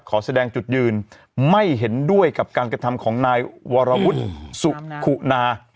ขอแสดงจุดยืนไม่เห็นด้วยกับการกระทำของนายวรวุฒิสุขุนา